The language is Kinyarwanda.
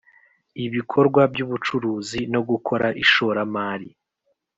Ibikorwa by ubucuruzi no gukora ishoramari